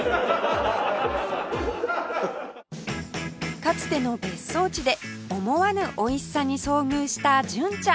かつての別荘地で思わぬおいしさに遭遇した純ちゃん